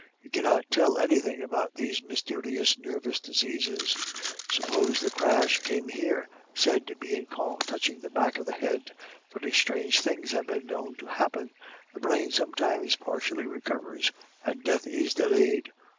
You cannot tell anything about these mysterious nervous diseases. Suppose the crash came here," said Bianchon, touching the back of the head, "very strange things have been known to happen; the brain sometimes partially recovers, and death is delayed.